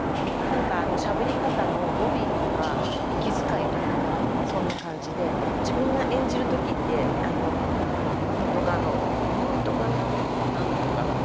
何かあのしゃべり方の語尾とか息遣いとかがそんな感じで自分が演じる時って「何とかの何とか何とか何とかの」。